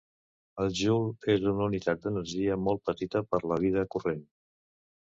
El joule és una unitat d'energia molt petita per la vida corrent.